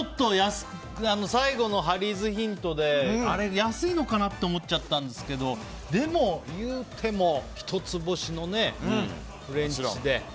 最後のハリーズヒントで安いのかな？と思っちゃったんですけどでも、言うても一つ星のフレンチで。